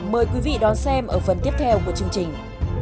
mời quý vị đón xem ở phần tiếp theo của chương trình